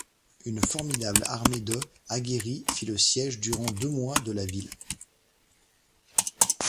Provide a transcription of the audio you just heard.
Une formidable armée de aguerris fit le siège durant deux mois de la ville.